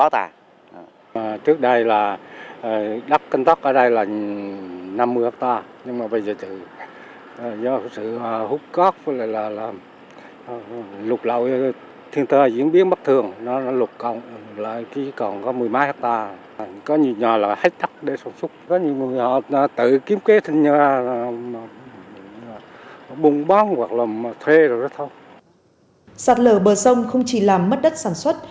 sạt lở bờ sông không chỉ làm mất đất sản xuất